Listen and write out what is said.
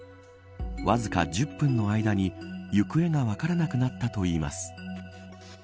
わずか１０分の間に行方が分からなくなったといいます。